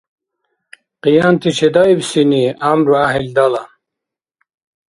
Къиянти чедаибсини гӀямру гӀяхӀил дала.